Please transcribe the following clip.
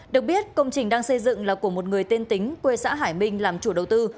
được biết công trình đang xây dựng là của một người tên tính quê xã hải minh làm chủ đầu tư